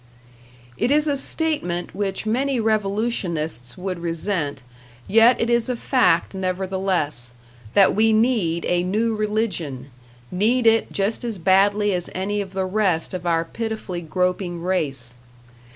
It is a statement which many revolutionists would resent, yet it is a fact nevertheless, that we need a new religion, need it just as badly as any of the rest of our pitifully groping race.